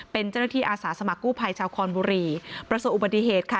เป็นเจ้าหน้าที่อาสาสมัครกู้ภัยชาวคอนบุรีประสบอุบัติเหตุค่ะ